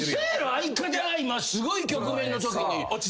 相方が今すごい局面のときに。